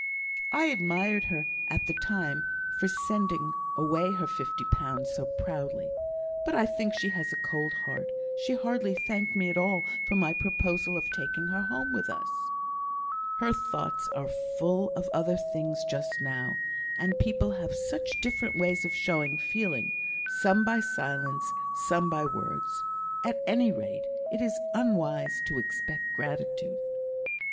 "I admired her at the time for sending away her fifty pounds so proudly; but I think she has a cold heart: she hardly thanked me at all for my proposal of taking her home with us." "Her thoughts are full of other things just now; and people have such different ways of showing feeling: some by silence, some by words. At any rate, it is unwise to expect gratitude."